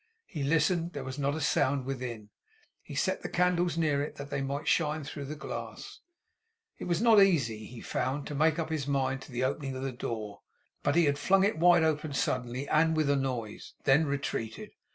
He listened. There was not a sound within. He set the candles near it, that they might shine through the glass. It was not easy, he found, to make up his mind to the opening of the door. But he flung it wide open suddenly, and with a noise; then retreated.